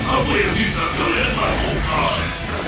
apa yang bisa kalian lakukan